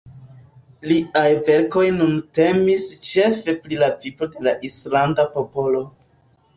Liaj verkoj nun temis ĉefe pri la vivo de la islanda popolo.